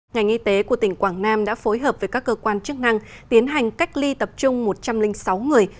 ngành y tế của tỉnh quảng nam đã phối hợp với các cơ quan chức năng tiến hành cách ly tập trung một trăm linh sáu người